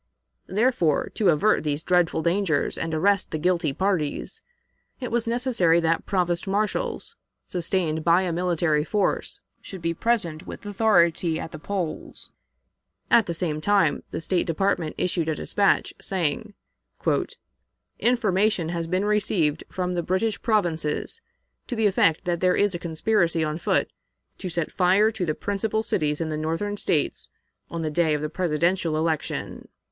Therefore, to avert these dreadful dangers and arrest the guilty parties, it was necessary that provost marshals, sustained by a military force, should be present with authority at the polls. At the same time the State Department issued a dispatch, saying: "Information has been received from the British provinces to the effect that there is a conspiracy on foot to set fire to the principal cities in the Northern States on the day of the Presidential election."